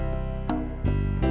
aku mau ke tempat usaha